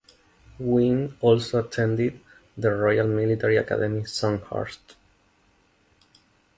Gwyn also attended the Royal Military Academy Sandhurst.